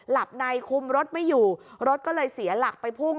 หลับในคุมรถไม่อยู่รถก็เลยเสียหลักไปพุ่ง